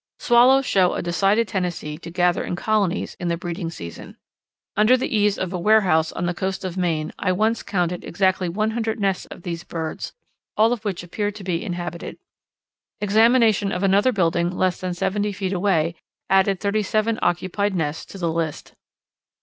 Swallows show a decided tendency to gather in colonies in the breeding season. Under the eaves of a warehouse on the cost of Maine I once counted exactly one hundred nests of these birds, all of which appeared to be inhabited. Examination of another building less than seventy feet away added thirty seven occupied nests to the list.